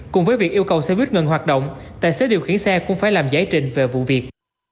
cùng với việc yêu cầu xe buýt ngừng hoạt động tài xế điều khiển xe cũng phải làm giải trình về vụ việc